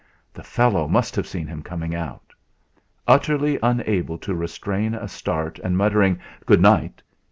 The fellow must have seen him coming out! Utterly unable to restrain a start, and muttering "Goodnight!"